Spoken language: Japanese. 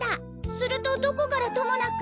するとどこからともなく」。